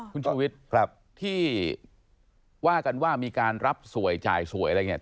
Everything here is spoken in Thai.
คุณชูวิทย์ที่ว่ากันว่ามีการรับสวยจ่ายสวยอะไรเนี่ย